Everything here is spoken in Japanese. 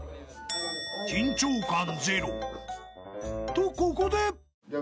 ［とここで］